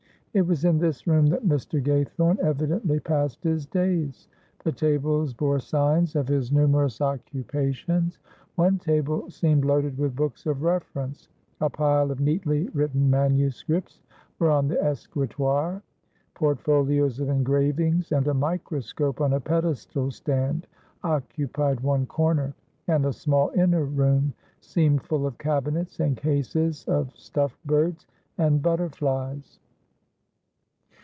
It was in this room that Mr. Gaythorne evidently passed his days; the tables bore signs of his numerous occupations; one table seemed loaded with books of reference. A pile of neatly written manuscripts were on the escritoire. Portfolios of engravings and a microscope on a pedestal stand occupied one corner, and a small inner room seemed full of cabinets and cases of stuffed birds and butterflies.